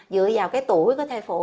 dựa vào cái tuổi của thai phụ